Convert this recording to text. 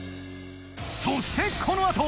そしてこのあと